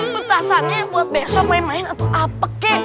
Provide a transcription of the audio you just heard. petasannya buat besok main main atau apek kek